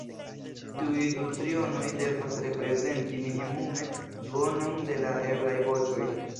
Tiuj du trionoj devas reprezenti minimume duonon de la eblaj voĉoj.